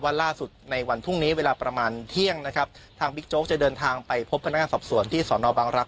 ล่าสุดในวันพรุ่งนี้เวลาประมาณเที่ยงนะครับทางบิ๊กโจ๊กจะเดินทางไปพบพนักงานสอบสวนที่สอนอบังรักษ